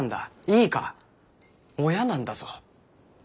いいか親なんだぞ。